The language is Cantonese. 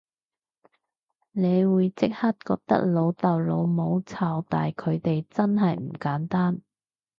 你會即刻覺得老豆老母湊大佢哋真係唔簡單